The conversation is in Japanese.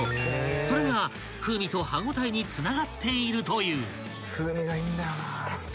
［それが風味と歯応えにつながっているという］